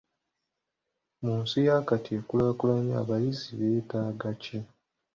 Mu nsi yakati ekulaakulanye, abayizi beetaaga ki?